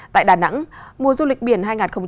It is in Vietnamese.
tại đà nẵng mùa du lịch biển